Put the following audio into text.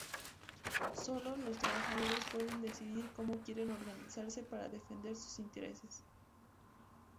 Sólo los trabajadores pueden decidir cómo quieren organizarse para defender sus intereses.